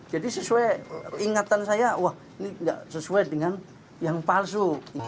jadi sesuai ingatan saya wah ini nggak sesuai dengan yang palsu